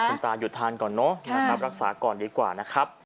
คุณตาหยุดทานก่อนเนอะนะครับรักษาก่อนดีกว่านะครับ